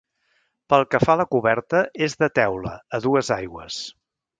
Pel que fa a la coberta és de teula a dues aigües.